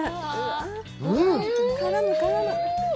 絡む、絡む！